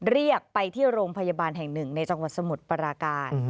เรียกไปที่โรงพยาบาลแห่งหนึ่งในจังหวัดสมุทรปราการ